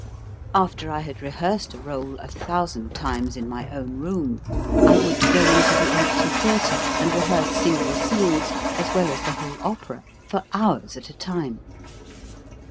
After I had rehearsed a role a thousand times in my own room, I would go into the empty theatre and 214 HOW TO SING rehearse single scenes, as well as the whole opera, for hours at a time.